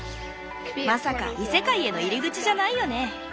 まさか異世界への入り口じゃないよね？